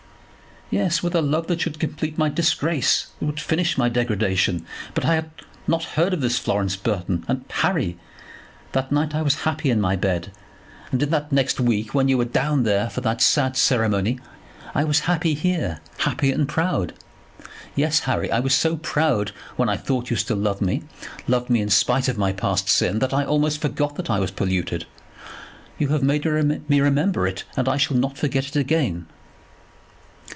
"Yes; with a love that should complete my disgrace, that should finish my degradation. But I had not heard of this Florence Burton; and, Harry, that night I was so happy in my bed. And in that next week when you were down there for that sad ceremony, I was happy here, happy and proud. Yes, Harry, I was so proud when I thought that you still loved me, loved me in spite of my past sin, that I almost forgot that I was polluted. You have made me remember it, and I shall not forget it again."